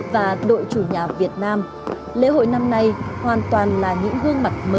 và đội chủ nhà việt nam lễ hội năm nay hoàn toàn là những gương mặt mới